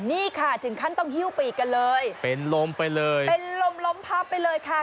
นี่ค่ะถึงขั้นต้องหิ้วปีกกันเลยเป็นลมไปเลยเป็นลมล้มพับไปเลยค่ะ